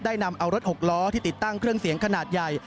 นำเอารถหกล้อที่ติดตั้งเครื่องเสียงขนาดใหญ่